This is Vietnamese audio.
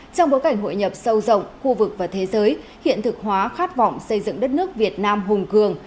trong bối cảnh hội nhập sâu rộng khu vực và thế giới hiện thực hóa khát vọng xây dựng đất nước việt nam hùng cường